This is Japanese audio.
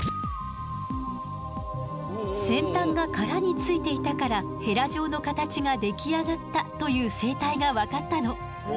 先端が殻についていたからヘラ状の形が出来上がったという生態が分かったの。